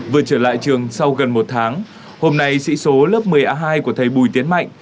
vừa trở lại trường sau gần một tháng hôm nay sĩ số lớp một mươi a hai của thầy bùi tiến mạnh